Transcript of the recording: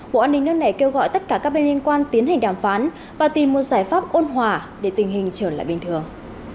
bộ an ninh nước này kêu gọi tất cả các bên liên quan tiến hành đàm phán và tìm một giải pháp ôn hòa để tình hình trở lại bình thường